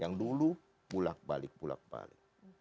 yang dulu bulak balik pulak balik